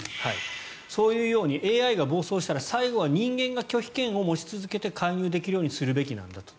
そういうようにＡＩが暴走したら最後は人間が拒否権を持ち続けて介入できるようにするべきなんだと。